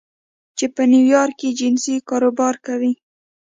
چې په نیویارک کې جنسي کاروبار کوي